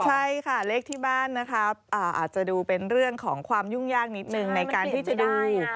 ใช่ค่ะเลขที่บ้านนะคะอาจจะดูเป็นเรื่องของความยุ่งยากนิดนึงในการที่จะดู